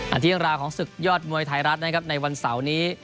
ที่ราวของศึกยอดมวยไทยรัฐนะครับในวันเสาร์นี้